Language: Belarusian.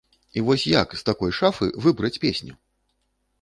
І вось як з такой шафы выбраць песню?